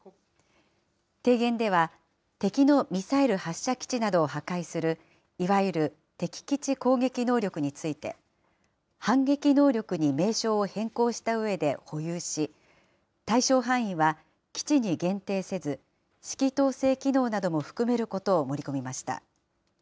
提言では、敵のミサイル発射基地などを破壊する、いわゆる敵基地攻撃能力について、反撃能力に名称を変更したうえで保有し、対象範囲は基地に限定せず、指揮統制機能なども含めることを盛り込みました。